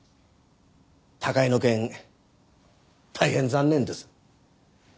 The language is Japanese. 高井の件大変残念です。